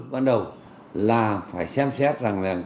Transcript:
bắt đầu là phải xem xét